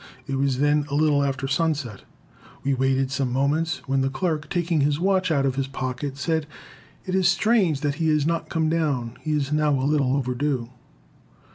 It was then a little after sunset. We waited some moments, when the clerk, taking his watch out of his pocket said, "It is strange he has not come down; he is now a little overdue."